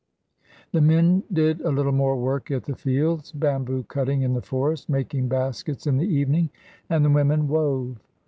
The men did a little more work at the fields, bamboo cutting in the forest, making baskets in the evening, and the women wove.